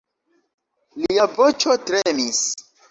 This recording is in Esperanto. Lia voĉo tremis.